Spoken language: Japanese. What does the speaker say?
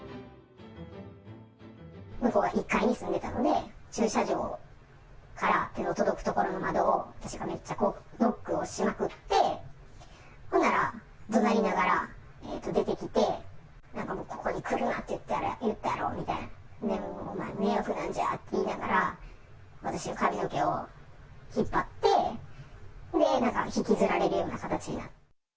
向こうは１階に住んでたので、駐車場から手の届く所の窓を私がめっちゃノックをしまくって、ほんなら、どなりながら出てきて、なんかもう、ここに来るなって言ったやろみたいな、迷惑なんじゃって言いながら、私の髪の毛を引っ張って、なんか引きずられるような形になって。